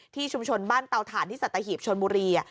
ชุมชนบ้านเตาถ่านที่สัตหีบชนบุรี